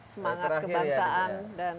semangat kebangsaan dan